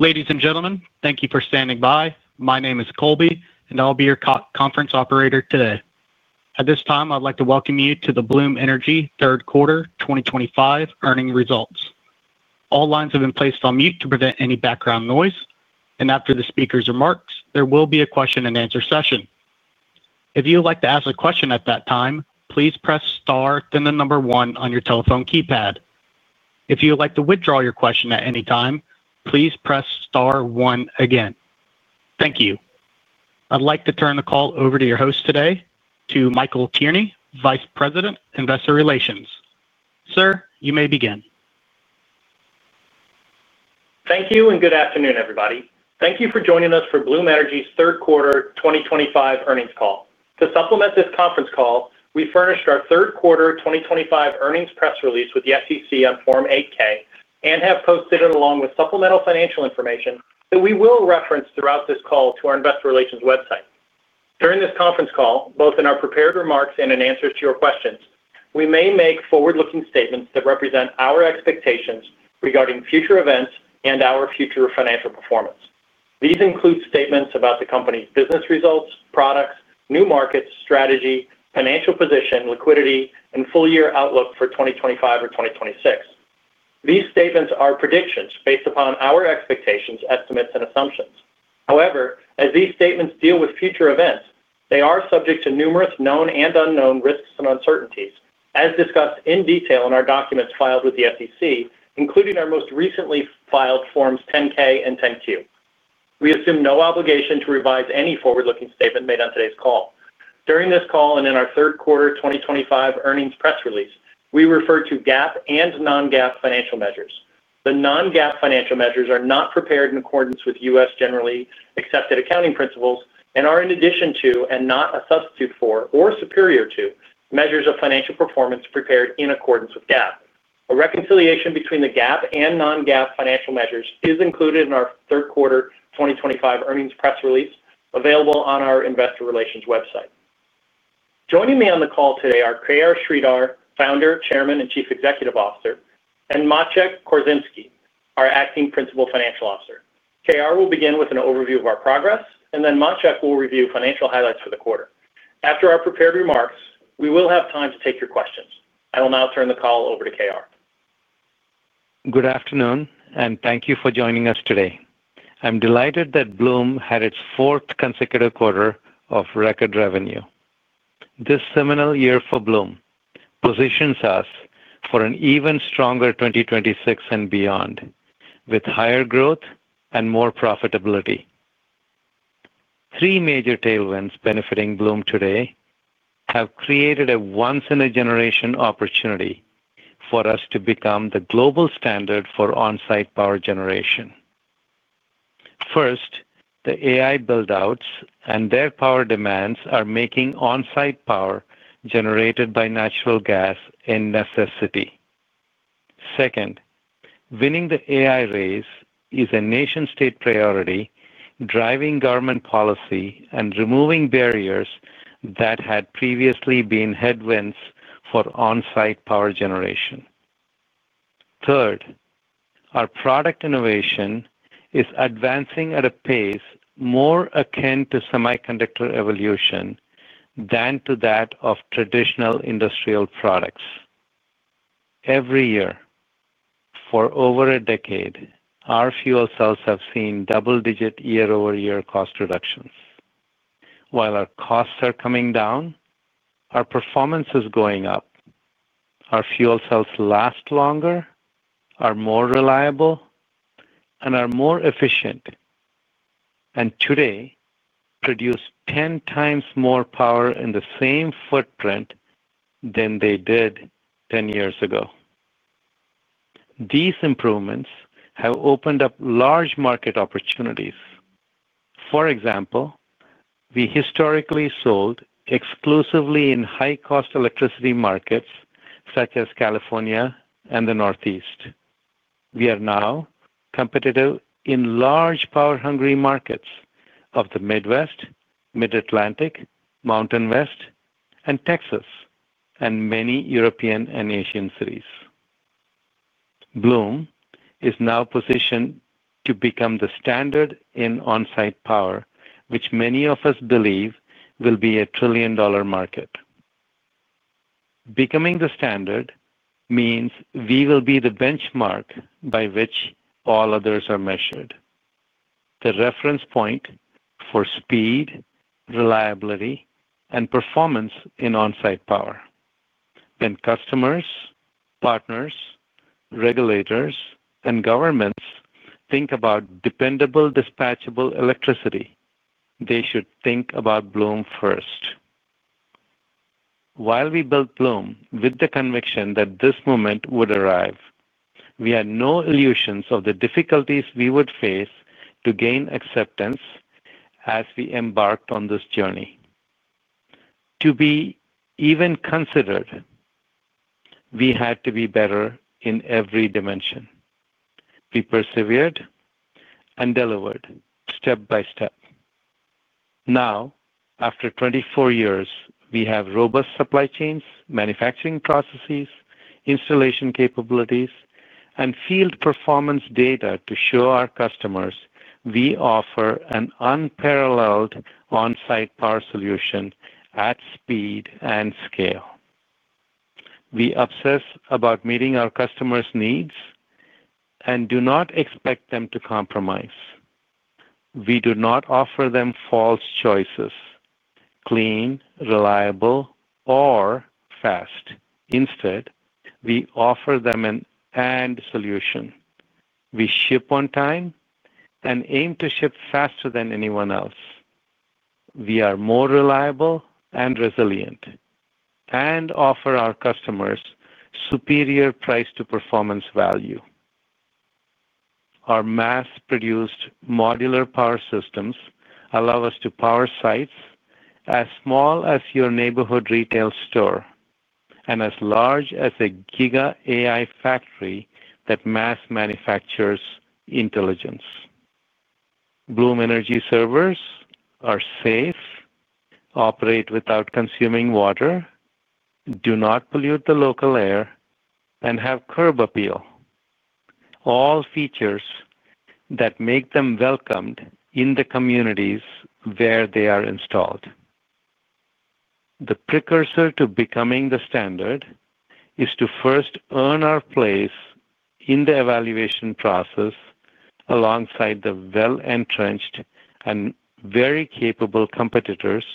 Ladies and gentlemen, thank you for standing by. My name is Colby, and I'll be your conference operator today. At this time, I'd like to welcome you to the Bloom Energy third quarter 2025 earnings results. All lines have been placed on mute to prevent any background noise, and after the speaker's remarks, there will be a question and answer session. If you would like to ask a question at that time, please press star then the number one on your telephone keypad. If you would like to withdraw your question at any time, please press star one again. Thank you. I'd like to turn the call over to your host today, Michael Tierney, Vice President, Investor Relations. Sir, you may begin. Thank you and good afternoon, everybody. Thank you for joining us for Bloom Energy's third quarter 2025 earnings call. To supplement this conference call, we furnished our third quarter 2025 earnings press release with the SEC on Form 8-K and have posted it along with supplemental financial information that we will reference throughout this call to our investor relations website. During this conference call, both in our prepared remarks and in answers to your questions, we may make forward-looking statements that represent our expectations regarding future events and our future financial performance. These include statements about the company's business results, products, new markets, strategy, financial position, liquidity, and full-year outlook for 2025 or 2026. These statements are predictions based upon our expectations, estimates, and assumptions. However, as these statements deal with future events, they are subject to numerous known and unknown risks and uncertainties, as discussed in detail in our documents filed with the SEC, including our most recently filed Forms 10-K and 10-Q. We assume no obligation to revise any forward-looking statement made on today's call. During this call and in our third quarter 2025 earnings press release, we refer to GAAP and non-GAAP financial measures. The non-GAAP financial measures are not prepared in accordance with U.S. generally accepted accounting principles and are in addition to, and not a substitute for, or superior to, measures of financial performance prepared in accordance with GAAP. A reconciliation between the GAAP and non-GAAP financial measures is included in our third quarter 2025 earnings press release, available on our investor relations website. Joining me on the call today are K.R. Sridhar, Founder, Chairman, and Chief Executive Officer, and Maciej Kurzymski, our Acting Principal Financial Officer. K.R. will begin with an overview of our progress, and then Maciej will review financial highlights for the quarter. After our prepared remarks, we will have time to take your questions. I will now turn the call over to K.R. Good afternoon, and thank you for joining us today. I'm delighted that Bloom had its fourth consecutive quarter of record revenue. This seminal year for Bloom positions us for an even stronger 2026 and beyond, with higher growth and more profitability. Three major tailwinds benefiting Bloom today have created a once-in-a-generation opportunity for us to become the global standard for onsite power generation. First, the AI buildouts and their power demands are making onsite power generated by natural gas a necessity. Second, winning the AI race is a nation-state priority, driving government policy and removing barriers that had previously been headwinds for onsite power generation. Third, our product innovation is advancing at a pace more akin to semiconductor evolution than to that of traditional industrial products. Every year for over a decade, our fuel cells have seen double-digit year-over-year cost reductions. While our costs are coming down, our performance is going up. Our fuel cells last longer, are more reliable, and are more efficient, and today produce 10x more power in the same footprint than they did 10 years ago. These improvements have opened up large market opportunities. For example, we historically sold exclusively in high-cost electricity markets such as California and the Northeast. We are now competitive in large power-hungry markets of the Midwest, Mid-Atlantic, Mountain West, and Texas, and many European and Asian cities. Bloom is now positioned to become the standard in onsite power, which many of us believe will be a trillion-dollar market. Becoming the standard means we will be the benchmark by which all others are measured, the reference point for speed, reliability, and performance in onsite power. When customers, partners, regulators, and governments think about dependable, dispatchable electricity, they should think about Bloom first. While we built Bloom with the conviction that this moment would arrive, we had no illusions of the difficulties we would face to gain acceptance as we embarked on this journey. To be even considered, we had to be better in every dimension. We persevered and delivered step by step. Now, after 24 years, we have robust supply chains, manufacturing processes, installation capabilities, and field performance data to show our customers we offer an unparalleled onsite power solution at speed and scale. We obsess about meeting our customers' needs and do not expect them to compromise. We do not offer them false choices: clean, reliable, or fast. Instead, we offer them an end solution. We ship on time and aim to ship faster than anyone else. We are more reliable and resilient and offer our customers superior price-to-performance value. Our mass-produced modular power systems allow us to power sites as small as your neighborhood retail store and as large as a giga AI factory that mass manufactures intelligence. Bloom Energy Servers are safe, operate without consuming water, do not pollute the local air, and have curb appeal. All features that make them welcomed in the communities where they are installed. The precursor to becoming the standard is to first earn our place in the evaluation process alongside the well-entrenched and very capable competitors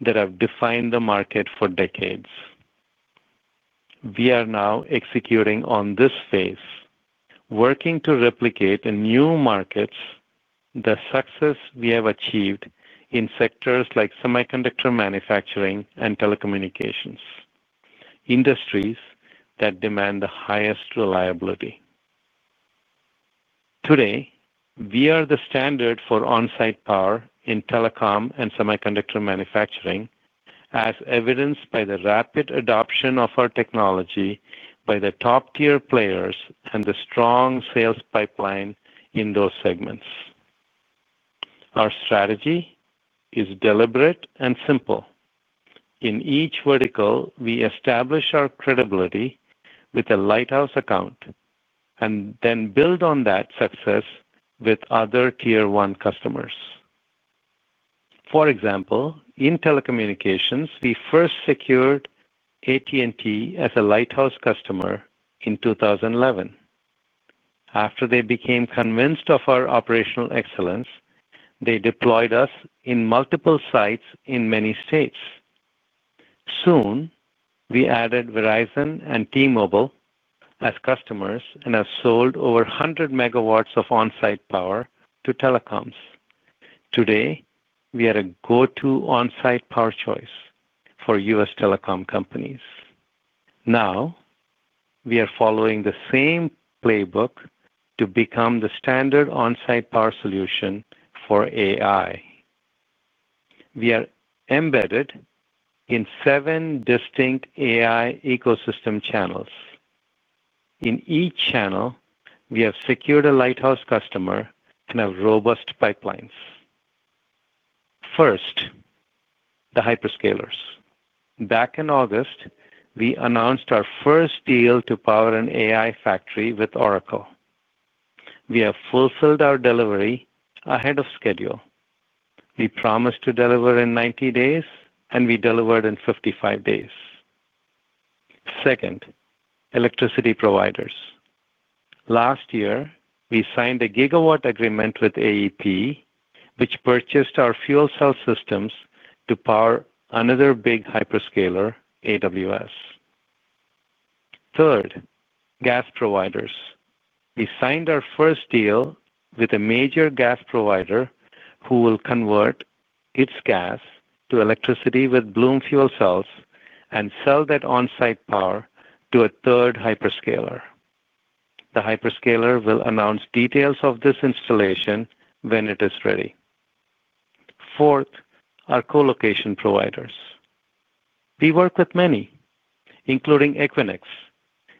that have defined the market for decades. We are now executing on this phase, working to replicate in new markets the success we have achieved in sectors like semiconductor manufacturing and telecommunications, industries that demand the highest reliability. Today, we are the standard for onsite power in telecom and semiconductor manufacturing, as evidenced by the rapid adoption of our technology by the top-tier players and the strong sales pipeline in those segments. Our strategy is deliberate and simple. In each vertical, we establish our credibility with a lighthouse account and then build on that success with other tier-one customers. For example, in telecommunications, we first secured AT&T as a lighthouse customer in 2011. After they became convinced of our operational excellence, they deployed us in multiple sites in many states. Soon, we added Verizon and T-Mobile as customers and have sold over 100 MW of onsite power to telecoms. Today, we are a go-to onsite power choice for U.S. telecom companies. Now, we are following the same playbook to become the standard onsite power solution for AI. We are embedded in seven distinct AI ecosystem channels. In each channel, we have secured a lighthouse customer and have robust pipelines. First, the hyperscalers. Back in August, we announced our first deal to power an AI factory with Oracle. We have fulfilled our delivery ahead of schedule. We promised to deliver in 90 days, and we delivered in 55 days. Second, electricity providers. Last year, we signed a gigawatt agreement with AEP, which purchased our fuel cell systems to power another big hyperscaler, AWS. Third, gas providers. We signed our first deal with a major gas provider who will convert its gas to electricity with Bloom fuel cells and sell that onsite power to a third hyperscaler. The hyperscaler will announce details of this installation when it is ready. Fourth, our colocation providers. We work with many, including Equinix,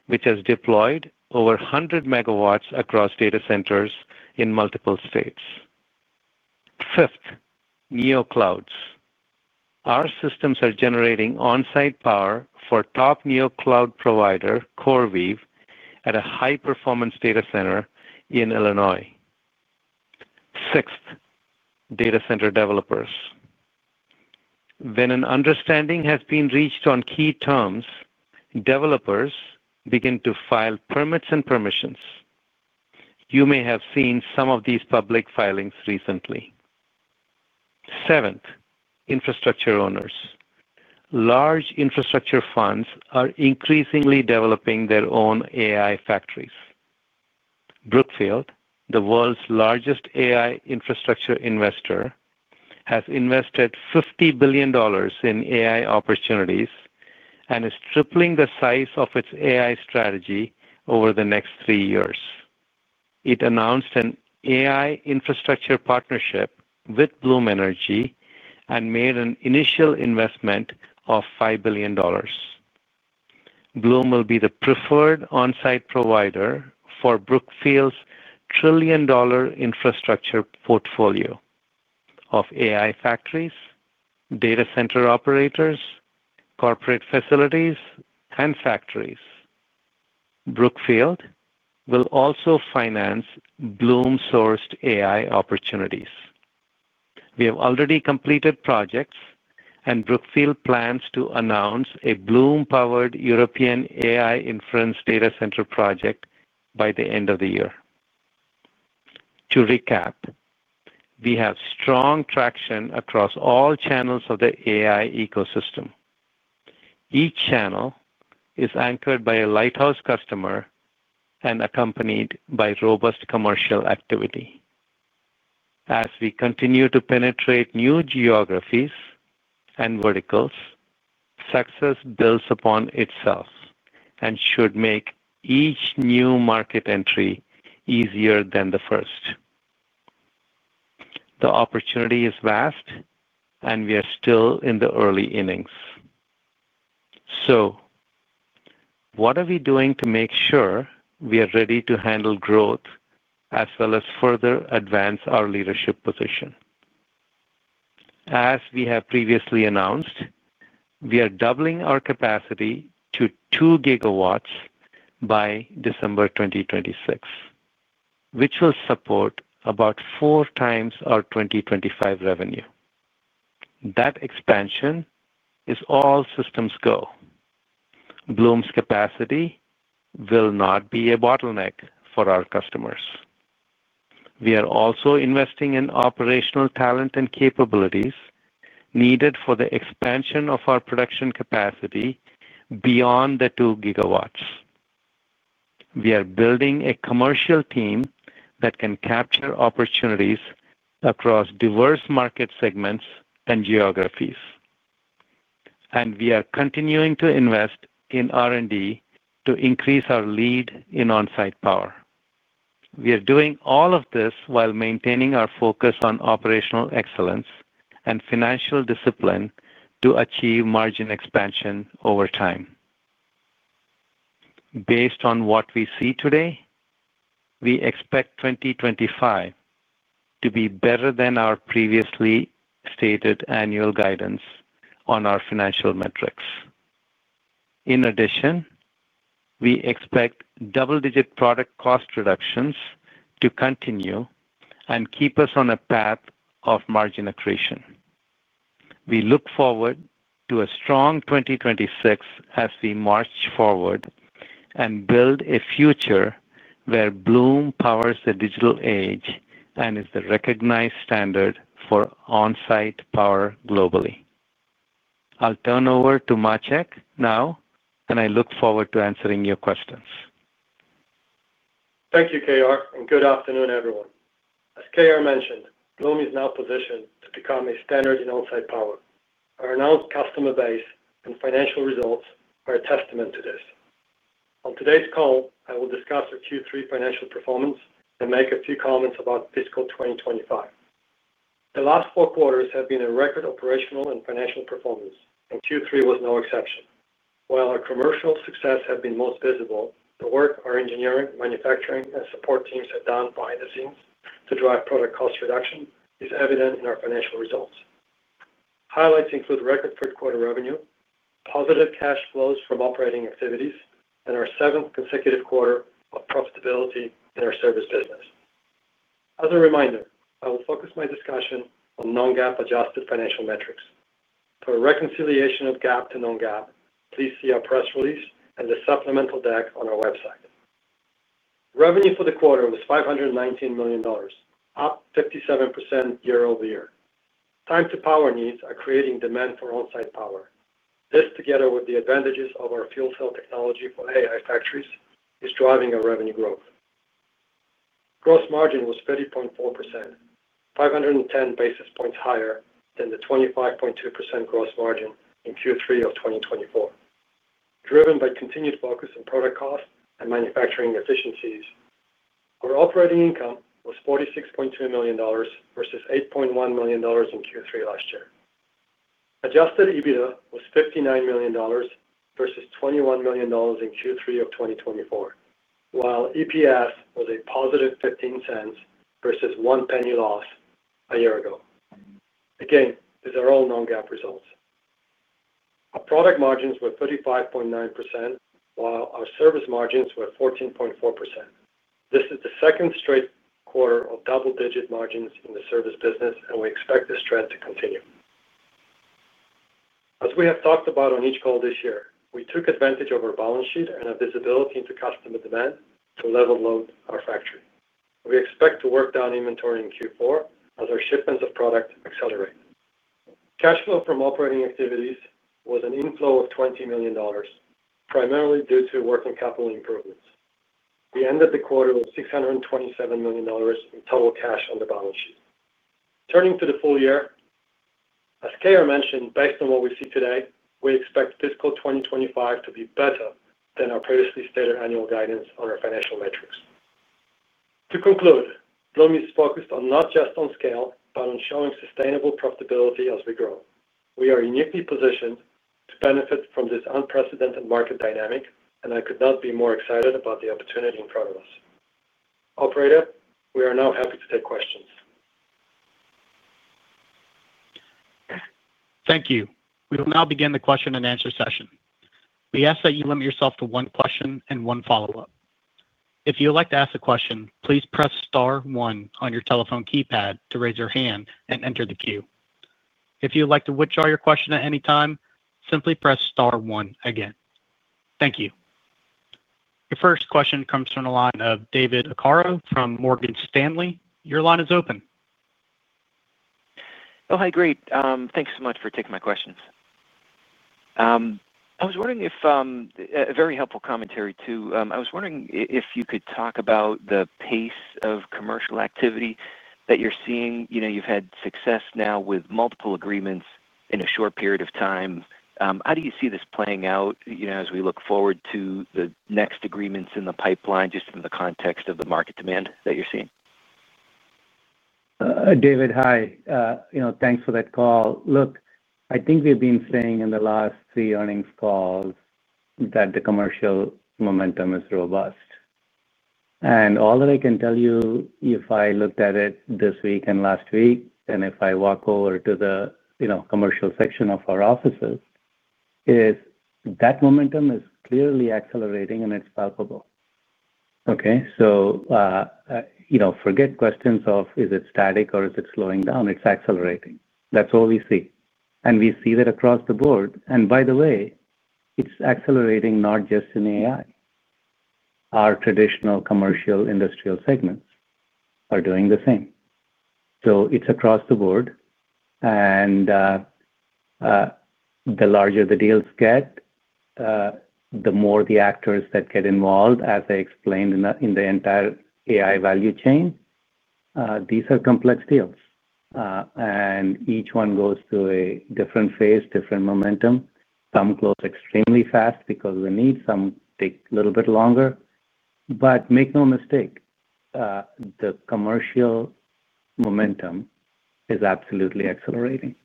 which has deployed over 100 MW across data centers in multiple sstates. Fifth, neoclouds. Our systems are generating onsite power for top neocloud provider CoreWeave at a high-performance data center in Illinois. Sixth, data center developers. When an understanding has been reached on key terms, developers begin to file permits and permissions. You may have seen some of these public filings recently. Seventh, infrastructure owners. Large infrastructure funds are increasingly developing their own AI factories. Brookfield, the world's largest AI infrastructure investor, has invested $50 billion in AI opportunities and is tripling the size of its AI strategy over the next three years. It announced an AI infrastructure partnership with Bloom Energy and made an initial investment of $5 billion. Bloom will be the preferred onsite provider for Brookfield's trillion-dollar infrastructure portfolio of AI factories, data center operators, corporate facilities, and factories. Brookfield will also finance Bloom-sourced AI opportunities. We have already completed projects, and Brookfield plans to announce a Bloom-powered European AI inference data center project by the end of the year. To recap, we have strong traction across all channels of the AI ecosystem. Each channel is anchored by a lighthouse customer and accompanied by robust commercial activity. As we continue to penetrate new geographies and verticals, success builds upon itself and should make each new market entry easier than the first. The opportunity is vast, and we are still in the early innings. What are we doing to make sure we are ready to handle growth as well as further advance our leadership position? As we have previously announced, we are doubling our capacity to 2 GW by December 2026, which will support about 4x our 2025 revenue. That expansion is all systems go. Bloom's capacity will not be a bottleneck for our customers. We are also investing in operational talent and capabilities needed for the expansion of our production capacity beyond the 2 GW. We are building a commercial team that can capture opportunities across diverse market segments and geographies. We are continuing to invest in R&D to increase our lead in onsite power. We are doing all of this while maintaining our focus on operational excellence and financial discipline to achieve margin expansion over time. Based on what we see today, we expect 2025 to be better than our previously stated annual guidance on our financial metrics. In addition, we expect double-digit product cost reductions to continue and keep us on a path of margin accretion. We look forward to a strong 2026 as we march forward and build a future where Bloom powers the digital age and is the recognized standard for onsite power globally. I'll turn over to Maciej now, and I look forward to answering your questions. Thank you, K.R., and good afternoon, everyone. As K.R. mentioned, Bloom is now positioned to become a standard in onsite power. Our announced customer base and financial results are a testament to this. On today's call, I will discuss our Q3 financial performance and make a few comments about fiscal 2025. The last four quarters have been a record operational and financial performance, and Q3 was no exception. While our commercial success has been most visible, the work our engineering, manufacturing, and support teams have done behind the scenes to drive product cost reduction is evident in our financial results. Highlights include record third-quarter revenue, positive cash flows from operating activities, and our seventh consecutive quarter of profitability in our service business. As a reminder, I will focus my discussion on non-GAAP-adjusted financial metrics. For a reconciliation of GAAP to non-GAAP, please see our press release and the supplemental deck on our website. Revenue for the quarter was $519 million, up 57% year-over-year. Time-to-power needs are creating demand for onsite power. This, together with the advantages of our fuel cell technology for AI factories, is driving our revenue growth. Gross margin was 30.4%, 510 basis points higher than the 25.2% gross margin in Q3 of 2024. Driven by continued focus on product cost and manufacturing efficiencies, our operating income was $46.2 million versus $8.1 million in Q3 last year. Adjusted EBITDA was $59 million versus $21 million in Q3 of 2024, while EPS was a +$0.15 versus a $0.01 loss a year ago. Again, these are all non-GAAP results. Our product margins were 35.9%, while our service margins were 14.4%. This is the second straight quarter of double-digit margins in the service business, and we expect this trend to continue. As we have talked about on each call this year, we took advantage of our balance sheet and our visibility into customer demand to level load our factory. We expect to work down inventory in Q4 as our shipments of product accelerate. Cash flow from operating activities was an inflow of $20 million, primarily due to working capital improvements. We ended the quarter with $627 million in total cash on the balance sheet. Turning to the full year, as K.R. mentioned, based on what we see today, we expect fiscal 2025 to be better than our previously stated annual guidance on our financial metrics. To conclude, Bloom is focused on not just on scale, but on showing sustainable profitability as we grow. We are uniquely positioned to benefit from this unprecedented market dynamic, and I could not be more excited about the opportunity in front of us. Operator, we are now happy to take questions. Thank you. We will now begin the question and answer session. We ask that you limit yourself to one question and one follow-up. If you would like to ask a question, please press star one on your telephone keypad to raise your hand and enter the queue. If you would like to withdraw your question at any time, simply press star one again. Thank you. The first question comes from the line of David Arcaro from Morgan Stanley. Your line is open. Oh, hi. Great. Thanks so much for taking my questions. I was wondering if you could talk about the pace of commercial activity that you're seeing. You've had success now with multiple agreements in a short period of time. How do you see this playing out as we look forward to the next agreements in the pipeline, just in the context of the market demand that you're seeing? David, hi. Thanks for that call. I think we've been saying in the last three earnings calls that the commercial momentum is robust. All that I can tell you, if I looked at it this week and last week, and if I walk over to the commercial section of our offices, is that momentum is clearly accelerating, and it's palpable. Okay? Forget questions of is it static or is it slowing down. It's accelerating. That's all we see. We see that across the board. By the way, it's accelerating not just in AI. Our traditional commercial industrial segments are doing the same. It's across the board. The larger the deals get, the more the actors that get involved, as I explained in the entire AI value chain, these are complex deals. Each one goes through a different phase, different momentum. Some close extremely fast because of the need. Some take a little bit longer. Make no mistake, the commercial momentum is absolutely accelerating.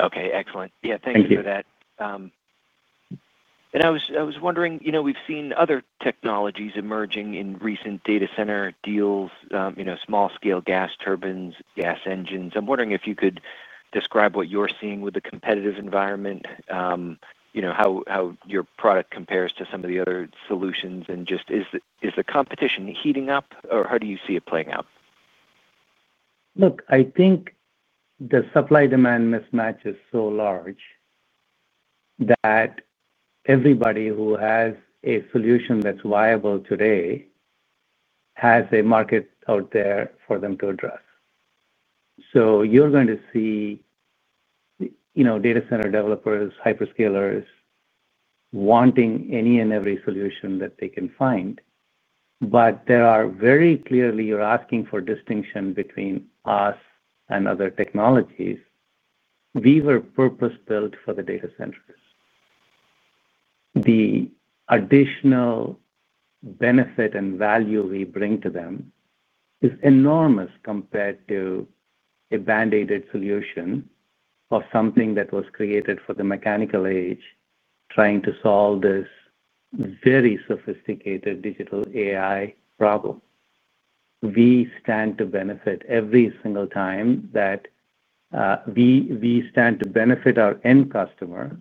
Okay. Excellent. Thank you for that. I was wondering, you know, we've seen other technologies emerging in recent data center deals, you know, small-scale gas turbines, gas engines. I'm wondering if you could describe what you're seeing with the competitive environment, you know, how your product compares to some of the other solutions, and is the competition heating up, or how do you see it playing out? Look, I think the supply-demand mismatch is so large that everybody who has a solution that's viable today has a market out there for them to address. You are going to see data center developers, hyperscalers wanting any and every solution that they can find. There are very clearly, you're asking for distinction between us and other technologies. We were purpose-built for the data centers. The additional benefit and value we bring to them is enormous compared to a band-aided solution or something that was created for the mechanical age, trying to solve this very sophisticated digital AI problem. We stand to benefit every single time that we stand to benefit our end customer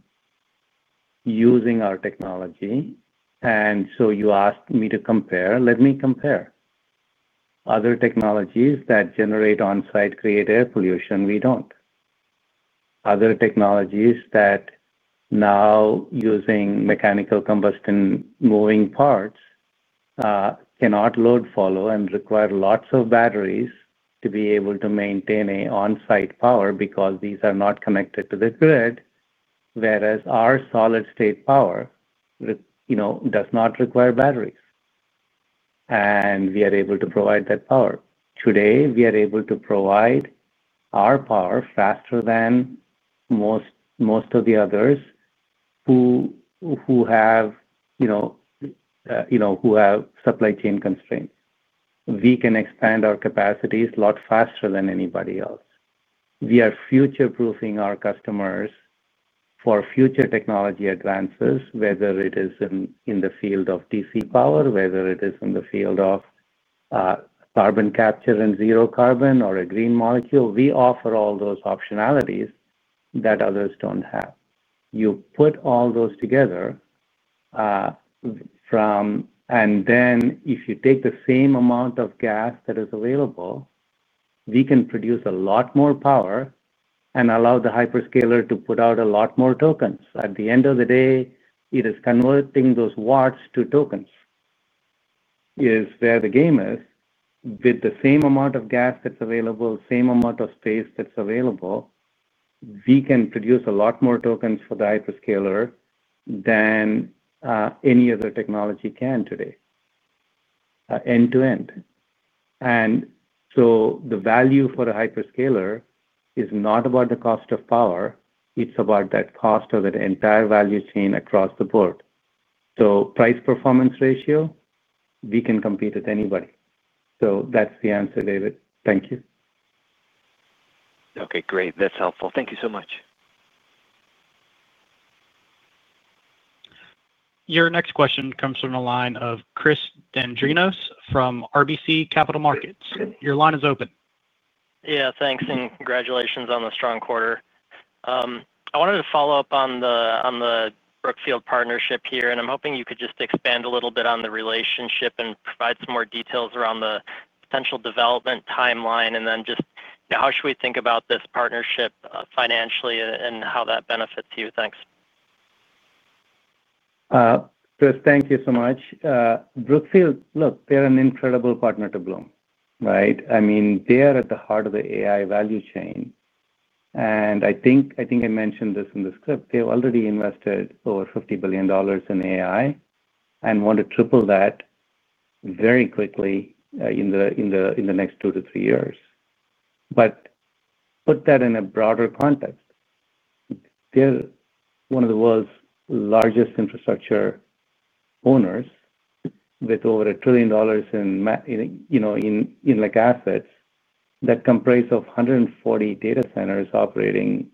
using our technology. You asked me to compare. Let me compare. Other technologies that generate onsite created air pollution, we don't. Other technologies that now, using mechanical combustion moving parts, cannot load follow and require lots of batteries to be able to maintain an onsite power because these are not connected to the grid, whereas our solid-state power does not require batteries. We are able to provide that power. Today, we are able to provide our power faster than most of the others who have supply chain constraints. We can expand our capacities a lot faster than anybody else. We are future-proofing our customers for future technology advances, whether it is in the field of DC power, whether it is in the field of carbon capture and zero carbon or a green molecule. We offer all those optionalities that others don't have. You put all those together, and then if you take the same amount of gas that is available, we can produce a lot more power and allow the hyperscaler to put out a lot more tokens. At the end of the day, it is converting those watts to tokens is where the game is. With the same amount of gas that's available, same amount of space that's available, we can produce a lot more tokens for the hyperscaler than any other technology can today, end-to-end. The value for a hyperscaler is not about the cost of power. It's about that cost of that entire value chain across the board. Price-performance ratio, we can compete with anybody. That's the answer, David. Thank you. Okay. Great. That's helpful. Thank you so much. Your next question comes from the line of Chris Dendrinos from RBC Capital Markets. Your line is open. Yeah, thanks. Congratulations on the strong quarter. I wanted to follow up on the Brookfield partnership here. I'm hoping you could just expand a little bit on the relationship and provide some more details around the potential development timeline, and then just how should we think about this partnership financially and how that benefits you. Thanks. First, thank you so much. Brookfield, look, they're an incredible partner to Bloom, right? I mean, they are at the heart of the AI value chain. I think I mentioned this in the script. They've already invested over $50 billion in AI and want to triple that very quickly in the next two to three years. Put that in a broader context. They're one of the world's largest infrastructure owners with over $1 trillion in assets that comprise 140 data centers operating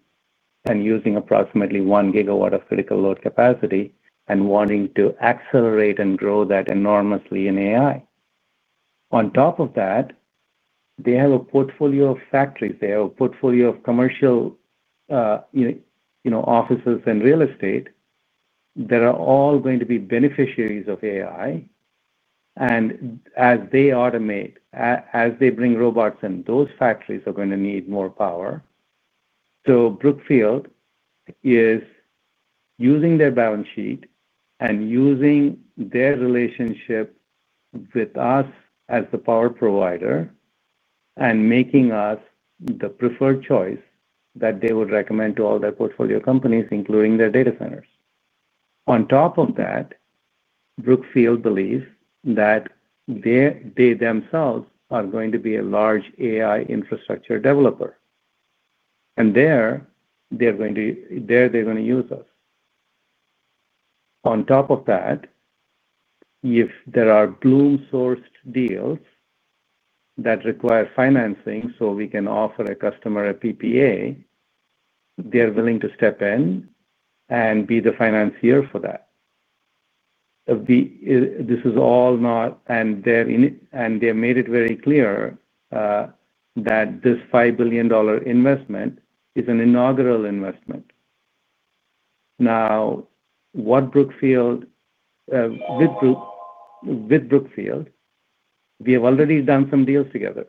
and using approximately 1 GW of critical load capacity and wanting to accelerate and grow that enormously in AI. On top of that, they have a portfolio of factories. They have a portfolio of commercial offices and real estate that are all going to be beneficiaries of AI. As they automate, as they bring robots in, those factories are going to need more power. Brookfield is using their balance sheet and using their relationship with us as the power provider and making us the preferred choice that they would recommend to all their portfolio companies, including their data centers. On top of that, Brookfield believes that they themselves are going to be a large AI infrastructure developer. There, they're going to use us. If there are Bloom-sourced deals that require financing so we can offer a customer a PPA, they're willing to step in and be the financier for that. This is all not, and they're in it, and they made it very clear that this $5 billion investment is an inaugural investment. With Brookfield, we have already done some deals together.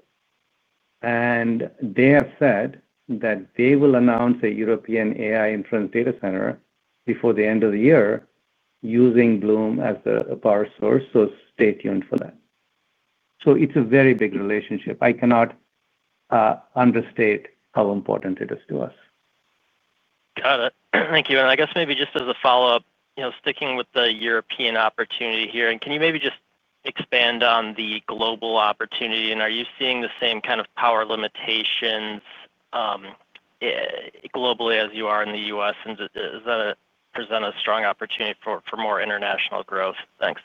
They have said that they will announce a European AI inference data center before the end of the year using Bloom as the power source. Stay tuned for that. It's a very big relationship. I cannot understate how important it is to us. Got it. Thank you. I guess maybe just as a follow-up, you know, sticking with the European opportunity here, can you maybe just expand on the global opportunity? Are you seeing the same kind of power limitations globally as you are in the U.S.? Does that present a strong opportunity for more international growth? Thanks.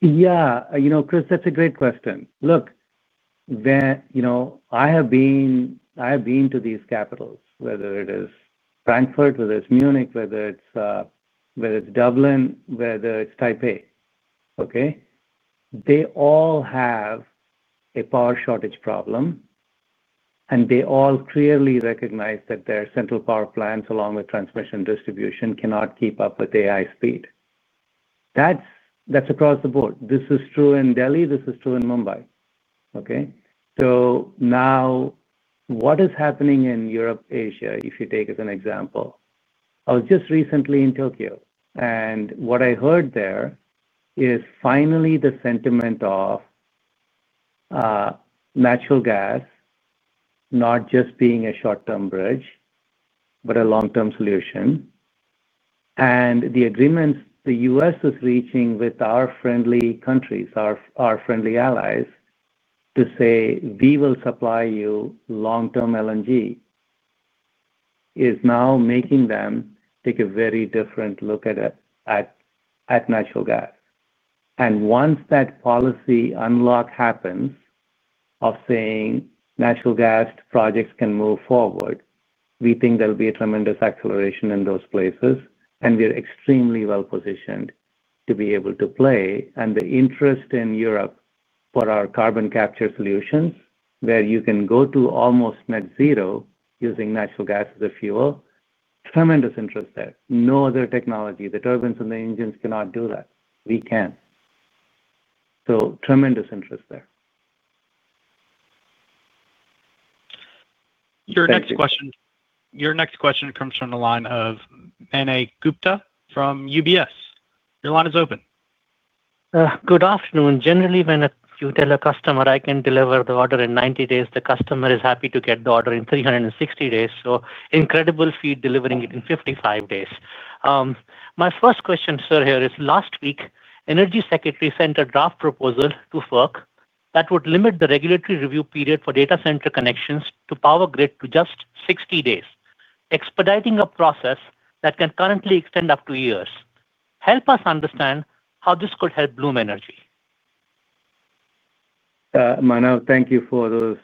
Yeah. Chris, that's a great question. Look, I have been to these capitals, whether it is Frankfurt, whether it's Munich, whether it's Dublin, whether it's Taipei. They all have a power shortage problem, and they all clearly recognize that their central power plants along with transmission distribution cannot keep up with AI speed. That's across the board. This is true in Delhi. This is true in Mumbai. What is happening in Europe, Asia, if you take as an example? I was just recently in Tokyo, and what I heard there is finally the sentiment of natural gas not just being a short-term bridge, but a long-term solution. The agreements the U.S. is reaching with our friendly countries, our friendly allies, to say, "We will supply you long-term LNG," is now making them take a very different look at natural gas. Once that policy unlock happens of saying natural gas projects can move forward, we think there'll be a tremendous acceleration in those places, and we're extremely well positioned to be able to play. The interest in Europe for our carbon capture solutions, where you can go to almost net zero using natural gas as a fuel, tremendous interest there. No other technology. The turbines and the engines cannot do that. We can. Tremendous interest there. Your next question comes from the line of Manav Gupta from UBS. Your line is open. Good afternoon. Generally, when you tell a customer, "I can deliver the order in 90 days," the customer is happy to get the order in 360 days. Incredible speed delivering it in 55 days. My first question, sir, here is, last week, Energy Secretary sent a draft proposal to FERC that would limit the regulatory review period for data center connections to power grid to just 60 days, expediting a process that can currently extend up to years. Help us understand how this could help Bloom Energy. Manav, thank you for those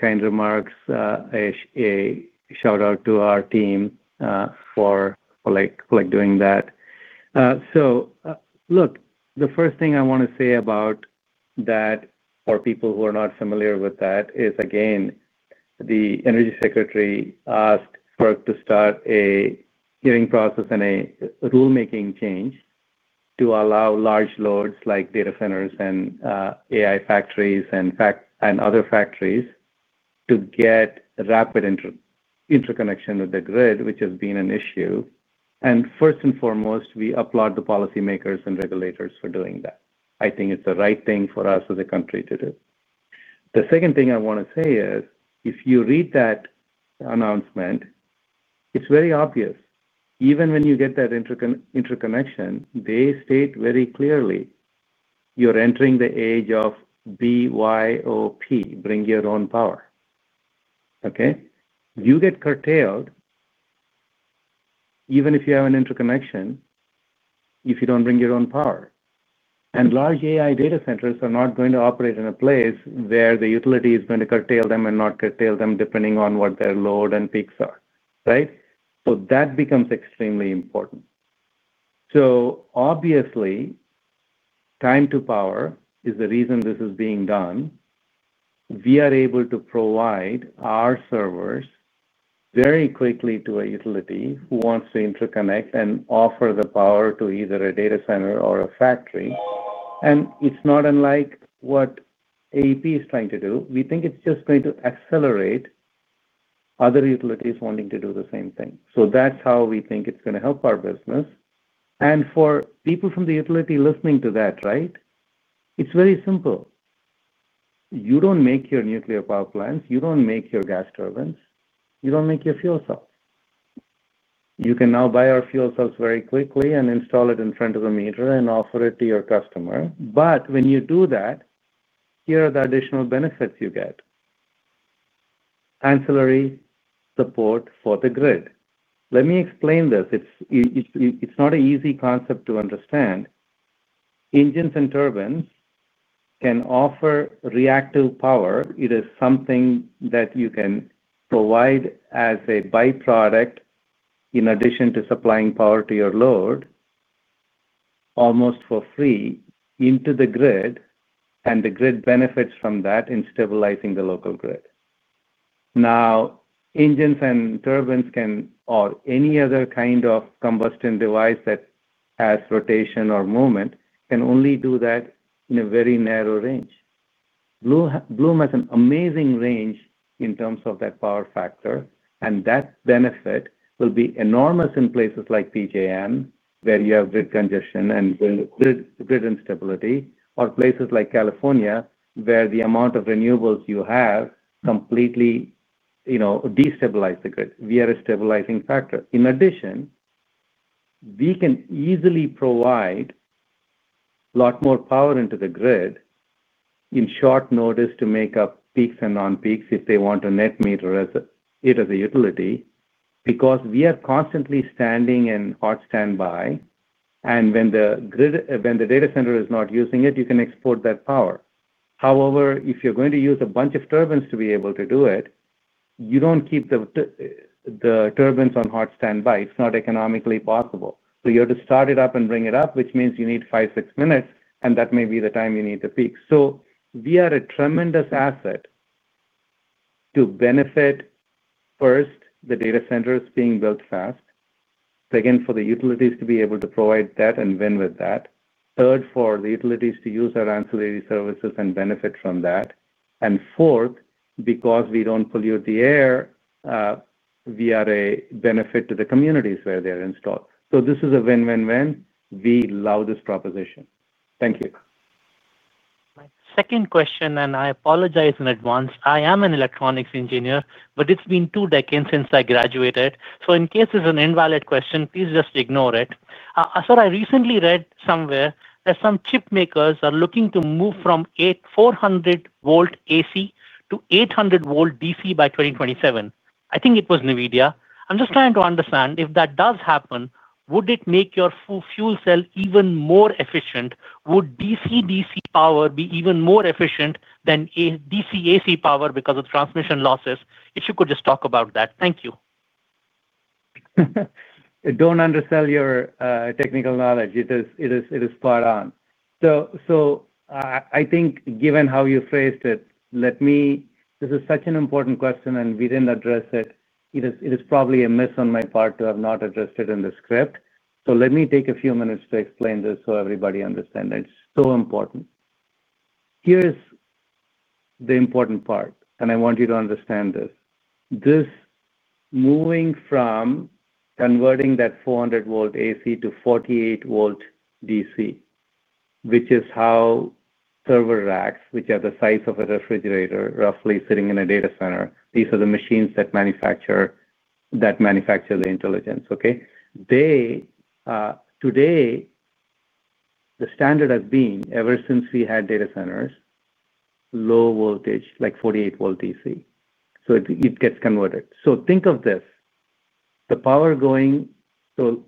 kind remarks. A shout out to our team for doing that. The first thing I want to say about that for people who are not familiar with that is, again, the Energy Secretary asked FERC to start a hearing process and a rulemaking change to allow large loads like data centers and AI factories and other factories to get rapid interconnection with the grid, which has been an issue. First and foremost, we applaud the policymakers and regulators for doing that. I think it's the right thing for us as a country to do. The second thing I want to say is, if you read that announcement, it's very obvious. Even when you get that interconnection, they state very clearly, "You're entering the age of BYOP. Bring your own power." You get curtailed even if you have an interconnection if you don't bring your own power. Large AI data centers are not going to operate in a place where the utility is going to curtail them and not curtail them depending on what their load and peaks are, right? That becomes extremely important. Obviously, time to power is the reason this is being done. We are able to provide our servers very quickly to a utility who wants to interconnect and offer the power to either a data center or a factory. It's not unlike what AEP is trying to do. We think it's just going to accelerate other utilities wanting to do the same thing. That's how we think it's going to help our business. For people from the utility listening to that, it's very simple. You don't make your nuclear power plants. You don't make your gas turbines. You don't make your fuel cells. You can now buy our fuel cells very quickly and install it in front of the meter and offer it to your customer. When you do that, here are the additional benefits you get: ancillary support for the grid. Let me explain this. It's not an easy concept to understand. Engines and turbines can offer reactive power. It is something that you can provide as a byproduct in addition to supplying power to your load almost for free into the grid, and the grid benefits from that in stabilizing the local grid. Engines and turbines or any other kind of combustion device that has rotation or movement can only do that in a very narrow range. Bloom has an amazing range in terms of that power factor, and that benefit will be enormous in places like PJM, where you have grid congestion and grid instability, or places like California, where the amount of renewables you have completely destabilizes the grid. We are a stabilizing factor. In addition, we can easily provide a lot more power into the grid on short notice to make up peaks and non-peaks if they want to net meter it as a utility because we are constantly standing in hot standby. When the data center is not using it, you can export that power. However, if you're going to use a bunch of turbines to be able to do it, you don't keep the turbines on hot standby. It's not economically possible. You have to start it up and bring it up, which means you need five, six minutes, and that may be the time you need to peak. We are a tremendous asset to benefit, first, the data centers being built fast. Second, for the utilities to be able to provide that and win with that. Third, for the utilities to use our ancillary services and benefit from that. Fourth, because we don't pollute the air, we are a benefit to the communities where they are installed. This is a win-win-win. We love this proposition. Thank you. Second question, and I apologize in advance. I am an electronics engineer, but it's been two decades since I graduated. In case it's an invalid question, please just ignore it. Sir, I recently read somewhere that some chip makers are looking to move from 400 V AC to 800 V DC by 2027. I think it was NVIDIA. I'm just trying to understand, if that does happen, would it make your fuel cell even more efficient? Would DC-DC power be even more efficient than DC-AC power because of the transmission losses? If you could just talk about that. Thank you. Don't undersell your technical knowledge. It is spot on. I think, given how you phrased it, let me, this is such an important question, and we didn't address it. It is probably a miss on my part to have not addressed it in the script. Let me take a few minutes to explain this so everybody understands. It's so important. Here is the important part, and I want you to understand this. This moving from converting that 400 V AC to 48 V DC, which is how server racks, which are the size of a refrigerator, roughly sitting in a data center, these are the machines that manufacture the intelligence. Today, the standard has been, ever since we had data centers, low voltage, like 48 V DC. It gets converted. Think of this. The power going,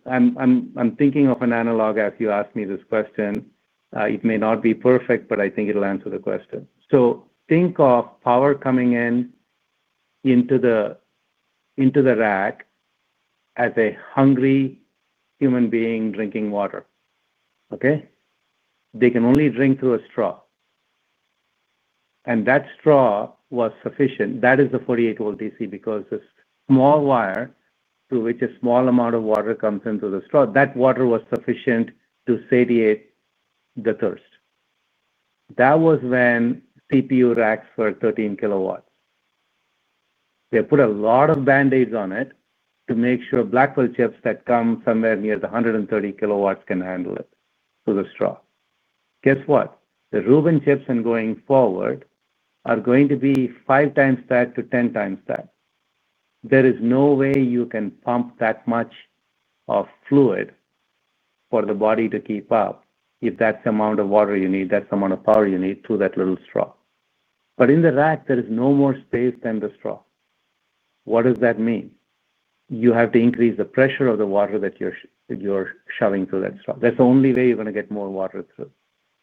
I'm thinking of an analog as you asked me this question. It may not be perfect, but I think it'll answer the question. Think of power coming in into the rack as a hungry human being drinking water. They can only drink through a straw. That straw was sufficient. That is the 48 V DC because this small wire through which a small amount of water comes into the straw, that water was sufficient to satiate the thirst. That was when CPU racks were 13 kW. They put a lot of band-aids on it to make sure Blackwell chips that come somewhere near the 130 kW can handle it through the straw. Guess what? The Rubin chips and going forward are going to be 5x that to 10x that. There is no way you can pump that much of fluid for the body to keep up if that's the amount of water you need, that's the amount of power you need through that little straw. In the rack, there is no more space than the straw. What does that mean? You have to increase the pressure of the water that you're shoving through that straw. That's the only way you're going to get more water through.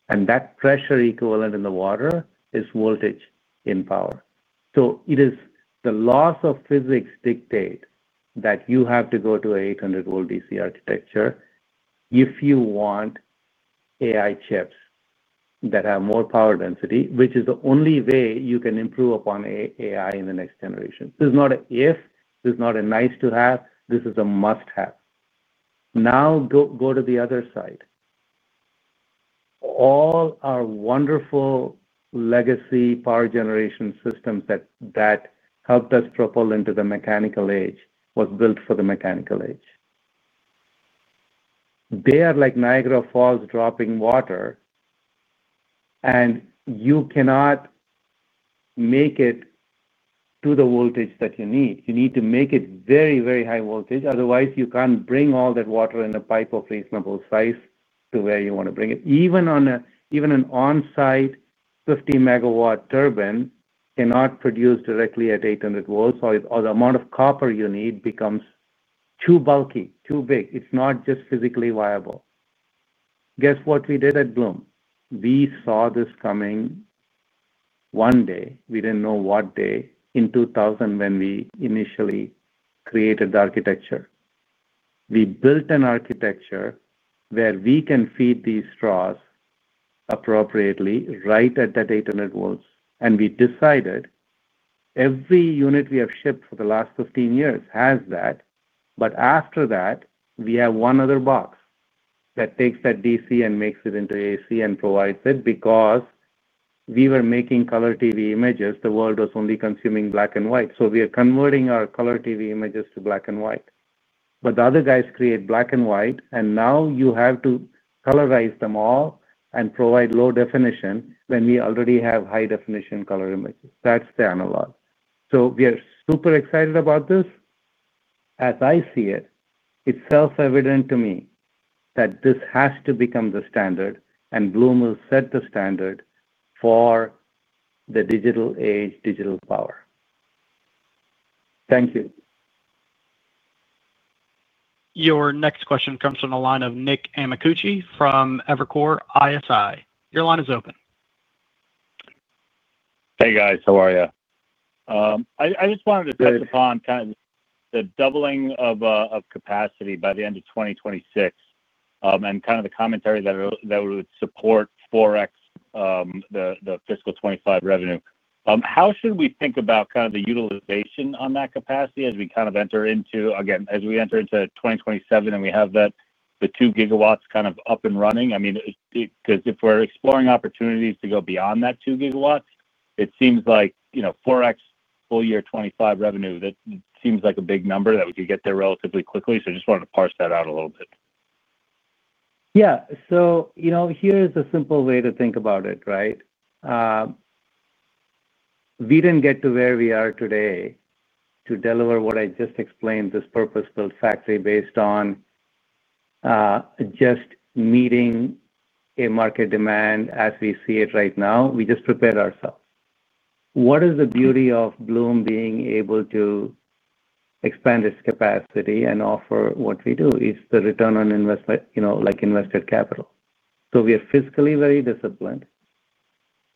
That pressure equivalent in the water is voltage in power. The laws of physics dictate that you have to go to an 800 V DC architecture if you want AI chips that have more power density, which is the only way you can improve upon AI in the next generation. This is not an if. This is not a nice-to-have. This is a must-have. Now go to the other side. All our wonderful legacy power generation systems that helped us propel into the mechanical age were built for the mechanical age. They are like Niagara Falls dropping water, and you cannot make it to the voltage that you need. You need to make it very, very high voltage. Otherwise, you can't bring all that water in a pipe of reasonable size to where you want to bring it. Even an on-site 50 MW turbine cannot produce directly at 800 V, or the amount of copper you need becomes too bulky, too big. It's not just physically viable. Guess what we did at Bloom? We saw this coming one day. We didn't know what day in 2000 when we initially created the architecture. We built an architecture where we can feed these straws appropriately right at that 800 V. We decided that every unit we have shipped for the last 15 years has that. After that, we have one other box that takes that DC and makes it into AC and provides it because we were making color TV images. The world was only consuming black and white. We are converting our color TV images to black and white. The other guys create black and white, and now you have to colorize them all and provide low definition when we already have high-definition color images. That's the analog. We are super excited about this. As I see it, it's self-evident to me that this has to become the standard, and Bloom will set the standard for the digital age, digital power. Thank you. Your next question comes from the line of Nick Amicucci from Evercore ISI. Your line is open. Hey, guys. How are you? I just wanted to touch upon the doubling of capacity by the end of 2026 and the commentary that would support 4x the fiscal 2025 revenue. How should we think about the utilization on that capacity as we enter into 2027 and we have the 2 GW up and running? I mean, if we're exploring opportunities to go beyond that 2 GW, it seems like 4x full-year 2025 revenue, that seems like a big number that we could get there relatively quickly. I just wanted to parse that out a little bit. Yeah. Here is a simple way to think about it, right? We didn't get to where we are today to deliver what I just explained, this purpose-built factory, based on just meeting a market demand as we see it right now. We just prepared ourselves. What is the beauty of Bloom being able to expand its capacity and offer what we do? It's the return on investment, you know, like invested capital. We are fiscally very disciplined,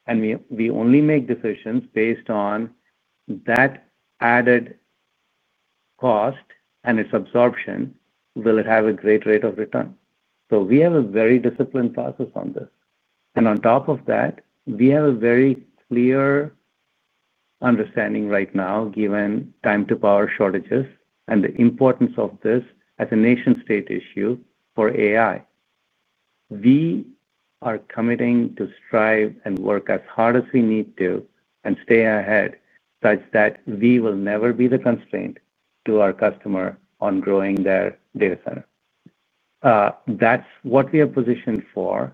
and we only make decisions based on that added cost and its absorption. Will it have a great rate of return? We have a very disciplined process on this. On top of that, we have a very clear understanding right now, given time-to-power shortages and the importance of this as a nation-state issue for AI. We are committing to strive and work as hard as we need to and stay ahead such that we will never be the constraint to our customer on growing their data center. That's what we are positioned for.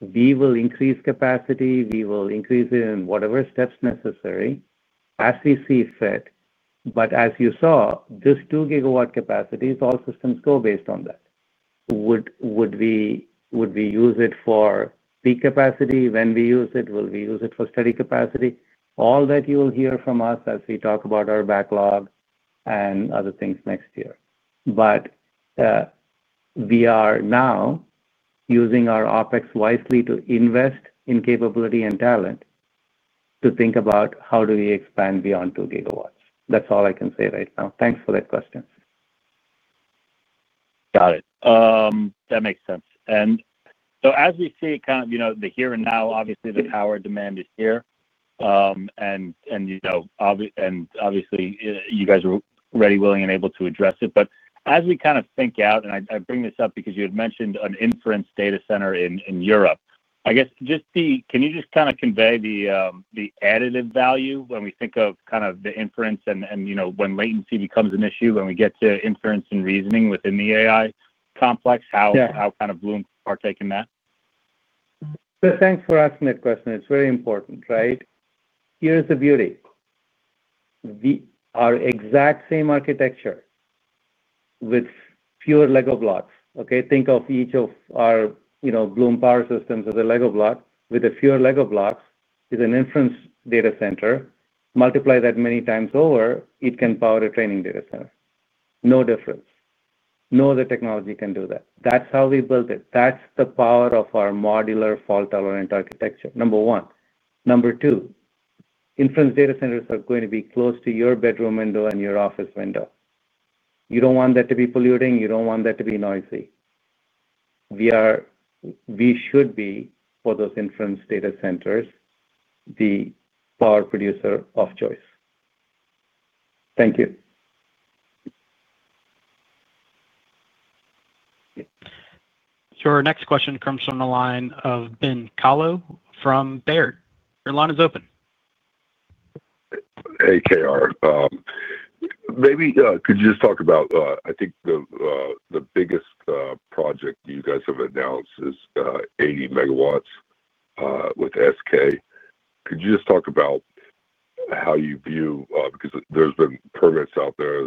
We will increase capacity. We will increase it in whatever steps necessary as we see fit. As you saw, this 2 GW capacity, all systems go based on that. Would we use it for peak capacity? When we use it, will we use it for steady capacity? All that you will hear from us as we talk about our backlog and other things next year. We are now using our OpEx wisely to invest in capability and talent to think about how do we expand beyond 2 GW. That's all I can say right now. Thanks for that question. Got it. That makes sense. As we see the here and now, obviously, the power demand is here. You guys are ready, willing, and able to address it. As we think out, I bring this up because you had mentioned an inference data center in Europe. Can you just convey the additive value when we think of the inference and when latency becomes an issue, when we get to inference and reasoning within the AI complex, how Bloom can partake in that? Thank you for asking that question. It's very important, right? Here is the beauty. Our exact same architecture with fewer Lego blocks, okay? Think of each of our Bloom power systems as a Lego block. With fewer Lego blocks, it's an inference data center. Multiply that many times over, it can power a training data center. No difference. No other technology can do that. That's how we built it. That's the power of our modular, fault-tolerant architecture, number one. Number two, inference data centers are going to be close to your bedroom window and your office window. You don't want that to be polluting. You don't want that to be noisy. We should be, for those inference data centers, the power producer of choice. Thank you. Our next question comes from the line of Ben Kallo from Baird. Your line is open. Hey, K.R., maybe could you just talk about, I think the biggest project you guys have announced is 80 MW with SK. Could you just talk about how you view, because there's been permits out there,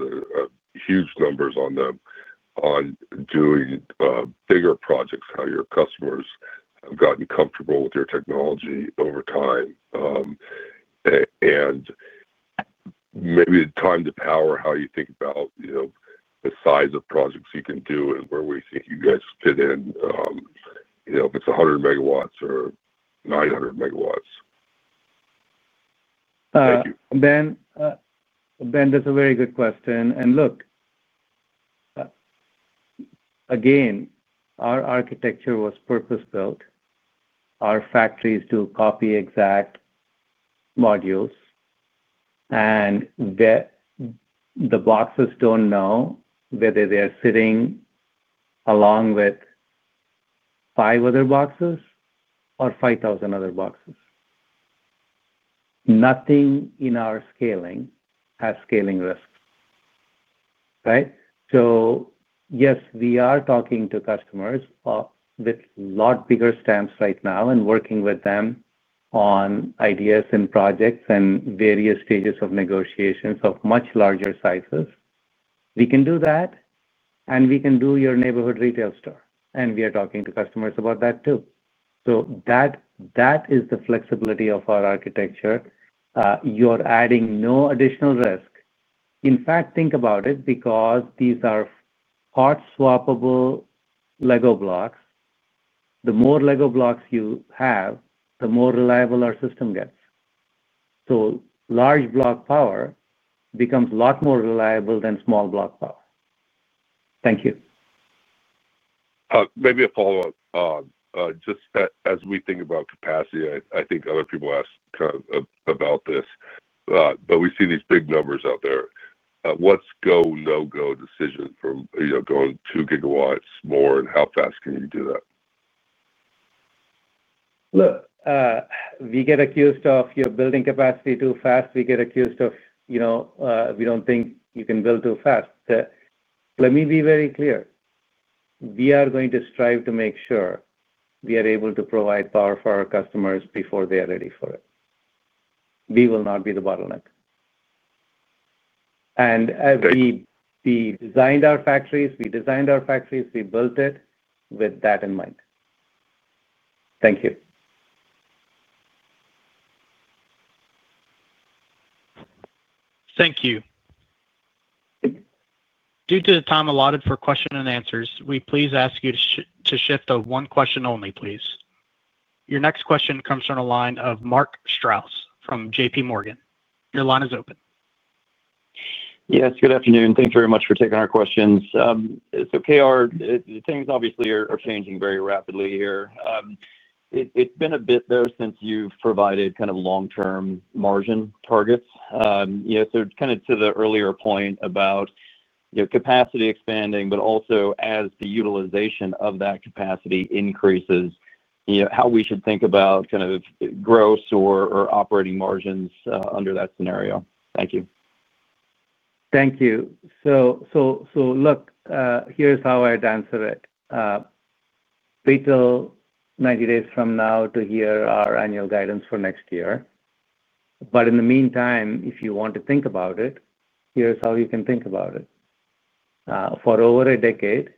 huge numbers on them, on doing bigger projects, how your customers have gotten comfortable with your technology over time, and maybe the time to power, how you think about the size of projects you can do and where we think you guys fit in, you know, if it's 100 MW or 900 MW. That's a very good question. Look, again, our architecture was purpose-built. Our factories do copy exact modules, and the boxes don't know whether they are sitting along with five other boxes or 5,000 other boxes. Nothing in our scaling has scaling risks, right? Yes, we are talking to customers with a lot bigger stamps right now and working with them on ideas and projects and various stages of negotiations of much larger sizes. We can do that, and we can do your neighborhood retail store. We are talking to customers about that too. That is the flexibility of our architecture. You're adding no additional risk. In fact, think about it because these are hot-swappable Lego blocks. The more Lego blocks you have, the more reliable our system gets. Large block power becomes a lot more reliable than small block power. Thank you. Maybe a follow-up. Just as we think about capacity, I think other people asked kind of about this, but we see these big numbers out there. What's go/no-go decision from going 2 GW more and how fast can you do that? Look, we get accused of building capacity too fast. We get accused of, you know, we don't think you can build too fast. Let me be very clear. We are going to strive to make sure we are able to provide power for our customers before they are ready for it. We will not be the bottleneck. As we designed our factories, we designed our factories, we built it with that in mind. Thank you. Thank you. Due to the time allotted for question and answers, we please ask you to shift to one question only, please. Your next question comes from the line of Mark Strouse from JPMorgan. Your line is open. Yes. Good afternoon. Thanks very much for taking our questions. K.R., things obviously are changing very rapidly here. It's been a bit though since you've provided kind of long-term margin targets. To the earlier point about capacity expanding, but also as the utilization of that capacity increases, how we should think about kind of gross or operating margins under that scenario. Thank you. Thank you. Look, here's how I'd answer it. Wait till 90 days from now to hear our annual guidance for next year. In the meantime, if you want to think about it, here's how you can think about it. For over a decade,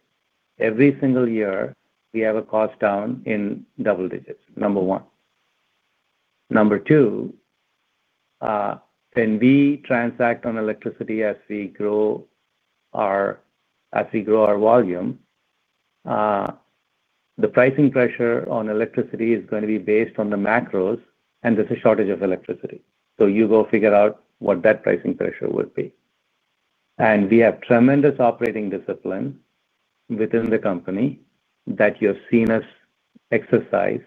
every single year, we have a cost down in double digits, number one. Number two, when we transact on electricity as we grow our volume, the pricing pressure on electricity is going to be based on the macros, and there's a shortage of electricity. You go figure out what that pricing pressure would be. We have tremendous operating discipline within the company that you've seen us exercise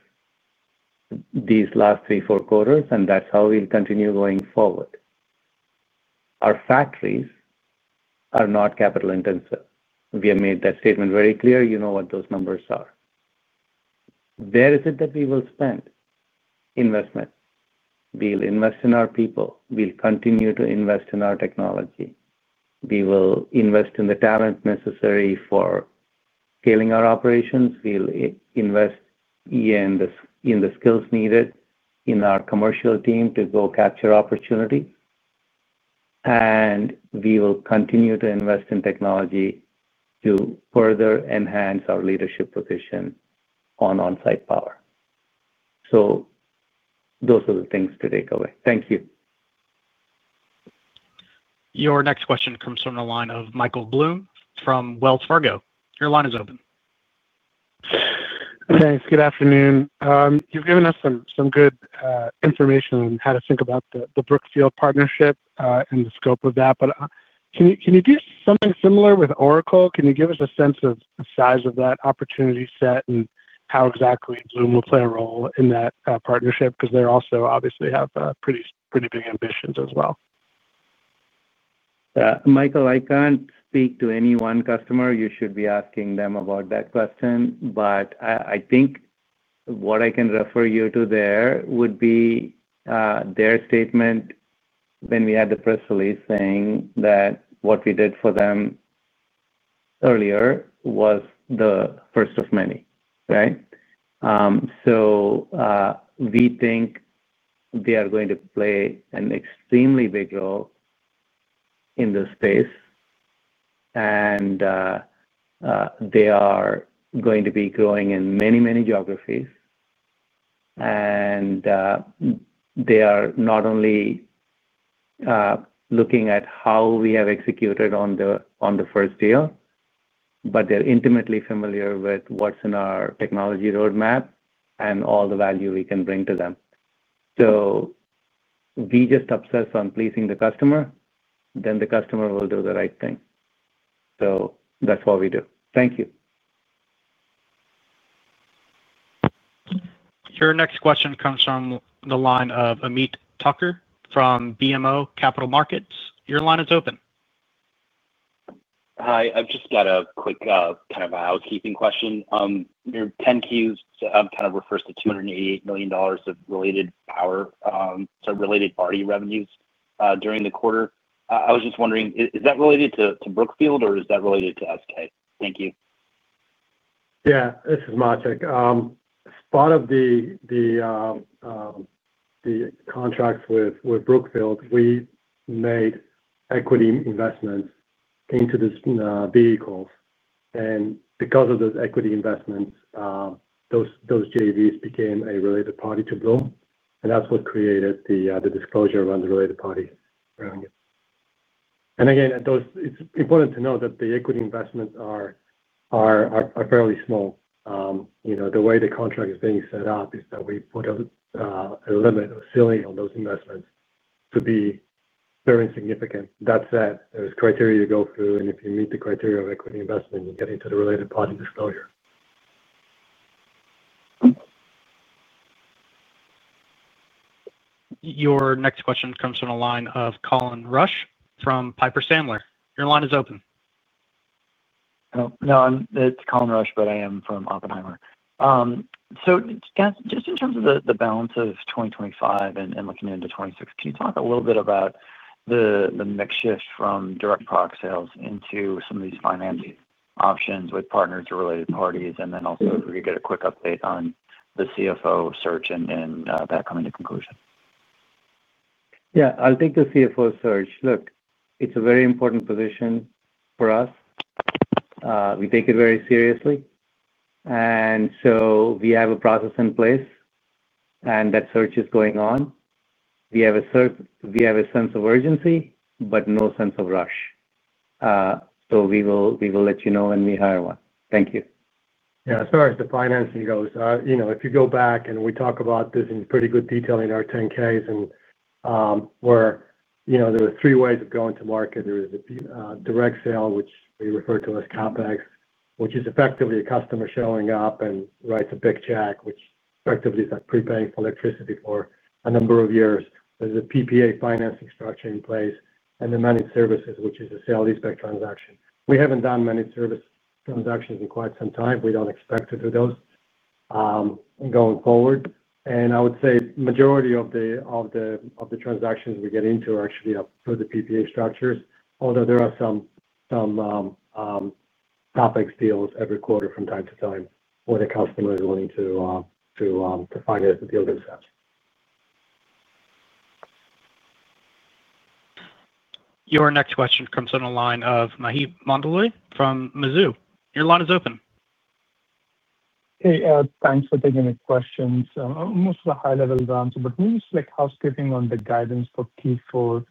these last three, four quarters, and that's how we'll continue going forward. Our factories are not capital-intensive. We have made that statement very clear. You know what those numbers are. Where is it that we will spend investment? We'll invest in our people. We'll continue to invest in our technology. We will invest in the talent necessary for scaling our operations. We'll invest in the skills needed in our commercial team to go capture opportunity. We will continue to invest in technology to further enhance our leadership position on onsite power. Those are the things to take away. Thank you. Your next question comes from the line of Michael Blum from Wells Fargo. Your line is open. Thanks. Good afternoon. You've given us some good information on how to think about the Brookfield partnership and the scope of that. Can you do something similar with Oracle? Can you give us a sense of the size of that opportunity set and how exactly Bloom will play a role in that partnership? They also obviously have pretty, pretty big ambitions as well. Michael, I can't speak to any one customer. You should be asking them about that question. I think what I can refer you to there would be their statement when we had the press release saying that what we did for them earlier was the first of many, right? We think they are going to play an extremely big role in this space. They are going to be growing in many, many geographies. They are not only looking at how we have executed on the first deal, but they're intimately familiar with what's in our technology roadmap and all the value we can bring to them. We just obsess on pleasing the customer. The customer will do the right thing. That's what we do. Thank you. Your next question comes from the line of Ameet Thakkar from BMO Capital Markets. Your line is open. Hi. I've just got a quick kind of housekeeping question. Your 10-Qs kind of refers to $288 million of related power, so related RE revenues during the quarter. I was just wondering, is that related to Brookfield, or is that related to SK? Thank you. Yeah. This is Maciej. As part of the contracts with Brookfield, we made equity investments into these vehicles. Because of those equity investments, those JVs became a related party to Bloom. That's what created the disclosure around the related party. It's important to note that the equity investments are fairly small. The way the contract is being set up is that we put a limit or ceiling on those investments to be very significant. That said, there's criteria you go through, and if you meet the criteria of equity investment, you get into the related party disclosure. Your next question comes from the line of Colin Rusch from Piper Sandler. Your line is open. No, it's Colin Rusch, but I am from Oppenheimer. In terms of the balance of 2025 and looking into 2026, can you talk a little bit about the mix shift from direct product sales into some of these financing options with partners or related parties? If we could get a quick update on the CFO search and that coming to conclusion. I think the CFO search, look, it's a very important position for us. We take it very seriously, and we have a process in place, and that search is going on. We have a sense of urgency, but no sense of rush. We will let you know when we hire one. Thank you. Yeah. As far as the financing goes, if you go back and we talk about this in pretty good detail in our 10-Ks, there are three ways of going to market. There is a direct sale, which we refer to as CapEx, which is effectively a customer showing up and writes a big check, which effectively is like prepaying for electricity for a number of years. There's a PPA financing structure in place. The managed services, which is a sales expect transaction, we haven't done managed service transactions in quite some time. We don't expect to do those going forward. I would say the majority of the transactions we get into are actually up through the PPA structures, although there are some CapEx deals every quarter from time to time where the customer is willing to finance the deal themselves. Your next question comes from the line of Maheep Mandloi from Mizuho. Your line is open. Hey, thanks for taking the questions. Most of the high-level is answered, but maybe just like housekeeping on the guidance for Q4.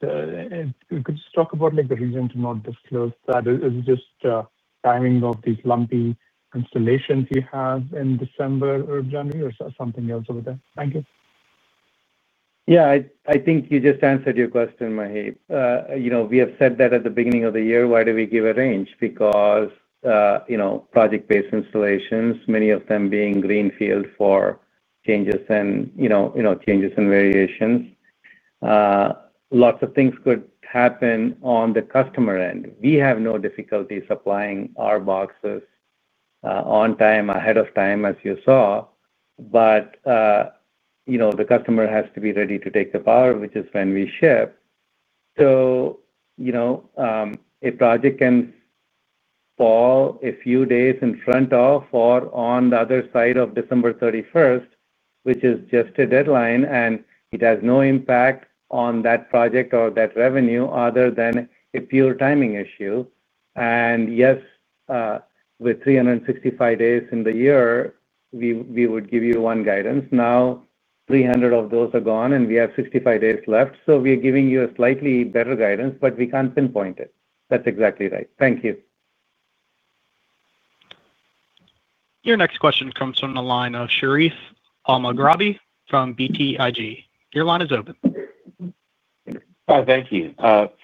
Could you just talk about the reason to not disclose that? Is it just timing of these lumpy installations you have in December or January or something else over there? Thank you. Yeah. I think you just answered your question, Maheep. We have said that at the beginning of the year. Why do we give a range? Because you know project-based installations, many of them being greenfield for changes and, you know, changes and variations. Lots of things could happen on the customer end. We have no difficulties supplying our boxes on time, ahead of time, as you saw. You know the customer has to be ready to take the power, which is when we ship. A project can fall a few days in front of or on the other side of December 31st, which is just a deadline, and it has no impact on that project or that revenue other than a pure timing issue. Yes, with 365 days in the year, we would give you one guidance. Now, 300 of those are gone, and we have 65 days left. We are giving you a slightly better guidance, but we can't pinpoint it. That's exactly right. Thank you. Your next question comes from the line of Sherif Elmaghrabi from BTIG. Your line is open. Hi. Thank you.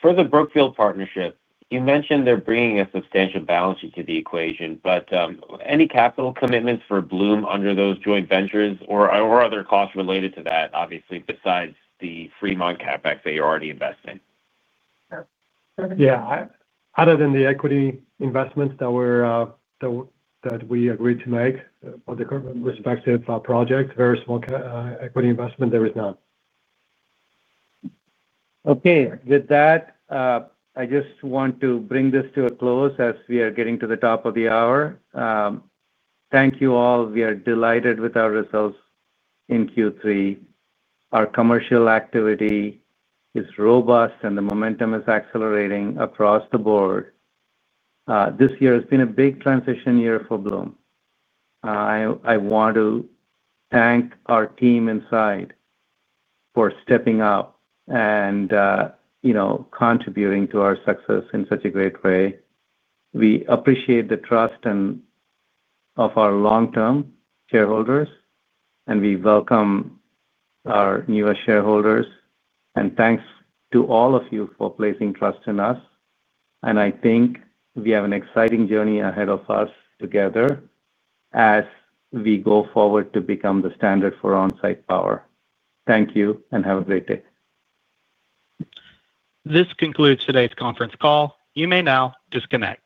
For the Brookfield partnership, you mentioned they're bringing a substantial balance sheet to the equation, but any capital commitments for Bloom under those joint ventures or other costs related to that, obviously, besides the Fremont CapEx that you're already investing? Other than the equity investments that we agreed to make on the current respective project, very small equity investment, there is none. Okay. With that, I just want to bring this to a close as we are getting to the top of the hour. Thank you all. We are delighted with our results in Q3. Our commercial activity is robust, and the momentum is accelerating across the board. This year has been a big transition year for Bloom. I want to thank our team inside for stepping up and contributing to our success in such a great way. We appreciate the trust of our long-term shareholders, and we welcome our newer shareholders. Thanks to all of you for placing trust in us. I think we have an exciting journey ahead of us together as we go forward to become the standard for onsite power. Thank you, and have a great day. This concludes today's conference call. You may now disconnect.